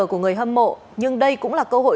của người hâm mộ nhưng đây cũng là cơ hội